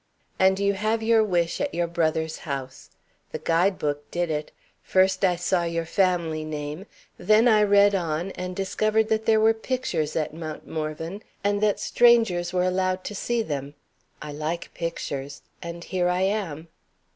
"And you have your wish, at your brother's house! The guide book did it. First, I saw your family name. Then, I read on and discovered that there were pictures at Mount Morven and that strangers were allowed to see them. I like pictures. And here I am."